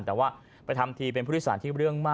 แต่ว่าไปทำทีเป็นผู้โดยสารที่เรื่องมาก